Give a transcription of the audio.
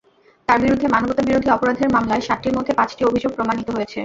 তাঁর বিরুদ্ধে মানবতাবিরোধী অপরাধের মামলায় সাতটির মধ্যে পাঁচটি অভিযোগ প্রমাণিত হয়েছে।